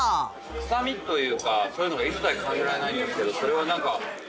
臭みというかそういうのが一切感じられないんですけどそれは何か。